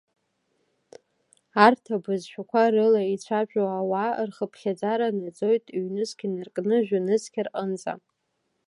Арҭ абызшәақәа рыла ицәажәо ауаа рхыԥхьаӡара наӡоит ҩнызқь инаркны жәанызқь рҟынӡа.